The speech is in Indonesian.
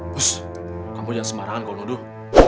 bus kamu yang semarangan kalau nuduh